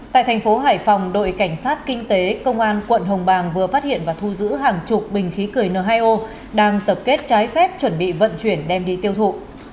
tại thành phố hải phòng đội cảnh sát kinh tế công an quận hồng bàng vừa phát hiện và thu giữ hàng chục bình khí cười n hai o đang tập kết trái phép chuẩn bị vận chuyển đem đi tiêu thụ